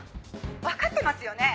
分かってますよね？